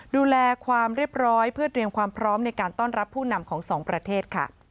ดูแลความเรียบร้อยเพื่อเตรียมความพร้อมในการต้อนรับผู้นำของสองประเทศค่ะ